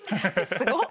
すごっ！